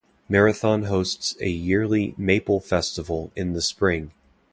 Marathon hosts a yearly "Maple Festival" in the spring.